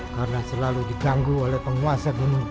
karena selalu diganggu oleh penguasa dunia